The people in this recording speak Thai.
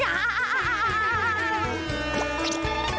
มันวิ่งไป